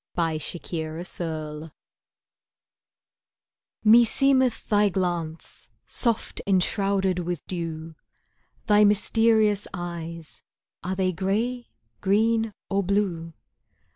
Overcast Sky Meseemeth thy glance, soft enshrouded with dew, Thy mysterious eyes (are they grey, green or blue?)